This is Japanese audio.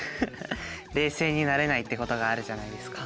冷静になれないってことがあるじゃないですか。